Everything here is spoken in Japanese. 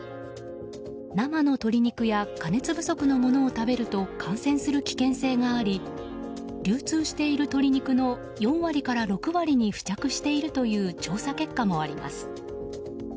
生の鶏肉や加熱不足のものを食べると感染する危険性があり流通している鶏肉の４割から６割に付着しているという調査結果もあります。